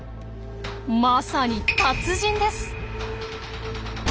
まさに「達人」です。